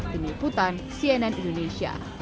peniputan cnn indonesia